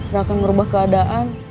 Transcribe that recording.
gak akan merubah keadaan